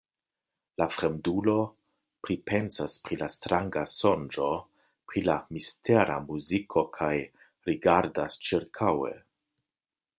La fremdulo pripensas pri la stranga sonĝo, pri la mistera muziko kaj rigardas ĉirkaŭe.